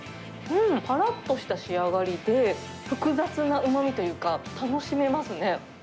ぱらっとした仕上がりで、複雑なうまみというか、楽しめますね。